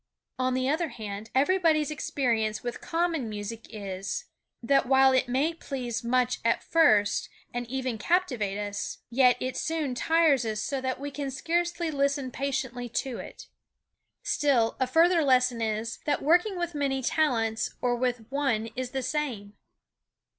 On the other hand, everybody's experience with common music is, that while it may please much at first and even captivate us, yet it soon tires us so that we can scarcely listen patiently to it. Still a further lesson is, that working with many talents or with one is the same.